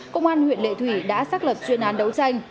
công an huyện lệ thủy đã xác lập chuyên án đấu tranh